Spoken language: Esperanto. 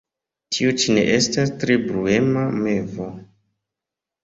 Tiu ĉi ne estas tre bruema mevo.